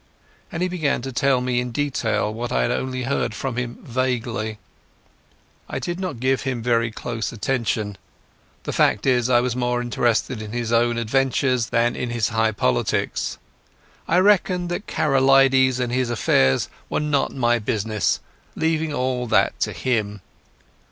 And he began to tell me in detail what I had only heard from him vaguely. I did not give him very close attention. The fact is, I was more interested in his own adventures than in his high politics. I reckoned that Karolides and his affairs were not my business, leaving all that to him.